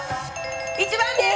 １番です！